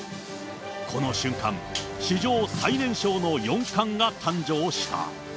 この瞬間、史上最年少の四冠が誕生した。